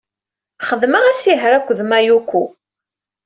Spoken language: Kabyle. Xedmeɣ asihaṛ akked Mayuko.